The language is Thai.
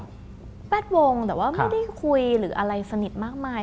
แวดวงแต่ว่าไม่ได้คุยหรืออะไรสนิทมากมาย